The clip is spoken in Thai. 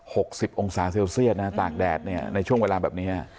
สิบองศาเซลเซียสนะตากแดดเนี่ยในช่วงเวลาแบบเนี้ย